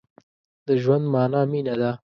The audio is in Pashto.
د ژوند مانا مينه ده.